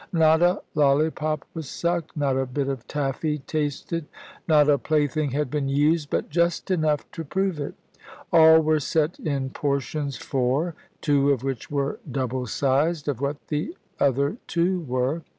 Not a lollipop was sucked, not a bit of "taffy" tasted, not a plaything had been used, but just enough to prove it; all were set in portions four, two of which were double sized of what the other two were.